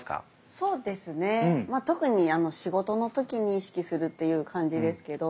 そうですね特に仕事の時に意識するという感じですけど。